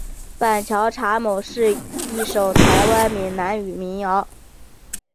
板桥查某是一首台湾闽南语民谣。